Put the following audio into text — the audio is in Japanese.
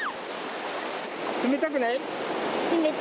冷たくない？